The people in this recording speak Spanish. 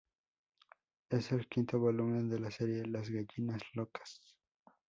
Es el quinto volumen de la serie "Las Gallinas Locas".